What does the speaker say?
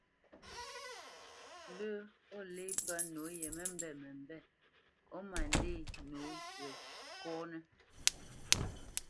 Lə́ o lê pə́ nǒ we məmbêt məmbêt ó ma ndê nǒ we kɔ́nə́.